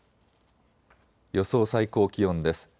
予想最高気温です。